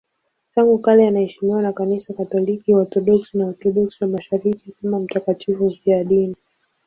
Tangu kale anaheshimiwa na Kanisa Katoliki, Waorthodoksi na Waorthodoksi wa Mashariki kama mtakatifu mfiadini.